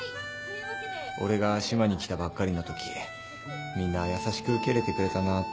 俺が島に来たばっかりのときみんな優しく受け入れてくれたなって。